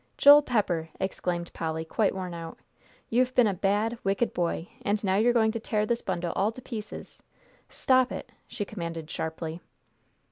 "Joel Pepper!" exclaimed Polly, quite worn out, "you've been a bad, wicked boy, and now you're going to tear this bundle all to pieces. Stop it!" she commanded sharply.